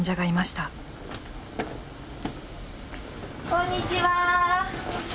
こんにちは。